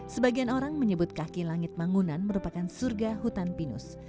sebagian orang menyebut kaki langit mangunan merupakan surga hutan pinus